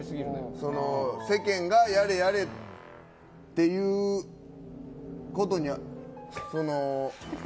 世間が、やれやれっていうことにはその。